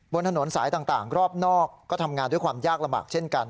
บนถนนสายต่างรอบนอกก็ทำงานด้วยความยากลำบากเช่นกัน